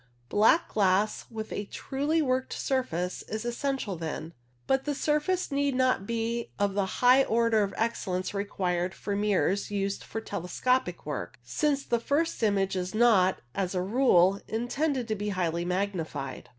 Black glass, with a truly worked surface, is essential then, but the surface need not be of the high order of excellence required for mirrors used for telescopic work, since the first image is not, as a rule, intended to be highly magnified.